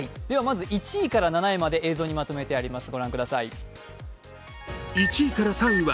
まず、１位から７位まで映像にまとめてあります。